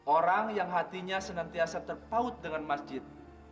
orang yang hatinya senantiasa terpaut dengan masjid